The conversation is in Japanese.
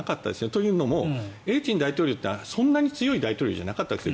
というのもエリツィン大統領ってそんなに強い大統領ではなかったです。